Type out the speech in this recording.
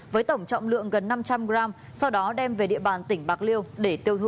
với tổng trọng lượng gần năm trăm linh g sau đó đem về địa bàn tỉnh bạc liêu để tiêu thụ